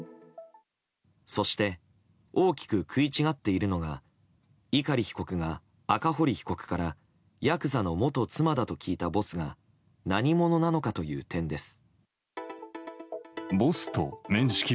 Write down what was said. そして大きく食い違っているのが碇被告が赤堀被告からヤクザの元妻だと聞いたボスが何者なのかという点です。